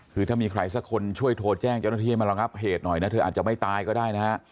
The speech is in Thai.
คือถ้ามีใครสักคนช่วยโทรแจ้งเจ้าหน้าที่ให้มาระงับเหตุหน่อยนะเธออาจจะไม่ตายก็ได้นะฮะ